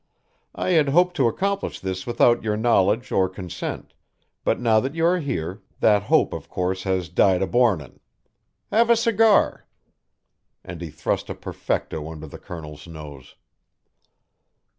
I had hoped to accomplish this without your knowledge or consent, but now that you are here, that hope, of course, has died a bornin'. Have a cigar." And he thrust a perfecco under the Colonel's nose.